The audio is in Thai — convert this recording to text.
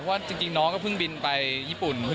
ว่าจริงน้องก็เพิ่งบินไปญี่ปุ่น